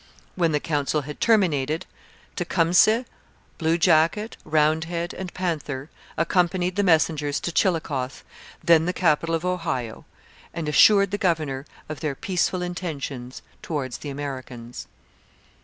When the council had terminated, Tecumseh, Blue Jacket, Roundhead, and Panther accompanied the messengers to Chillicothe, then the capital of Ohio, and assured the governor of their peaceful intentions towards the Americans.